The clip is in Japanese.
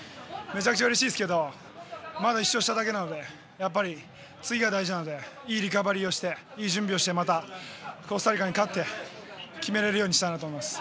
めちゃくちゃうれしいですけどまだ１勝なので次が大事なのでいいリカバリーをしていい準備をしてまたコスタリカに勝って決めれるようにしたいと思います。